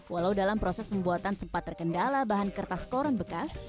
walau dalam proses pembuatan sempat terkendala bahan kertas koron bekas